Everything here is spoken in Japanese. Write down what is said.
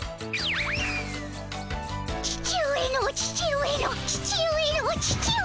父上の父上の父上の父上。